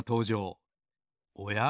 おや？